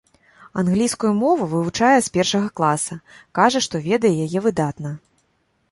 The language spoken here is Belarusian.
Англійскую мову вывучае з першага класа, кажа што ведае яе выдатна.